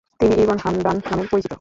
তিনি Ibn Hamdan নামে পরিচিত।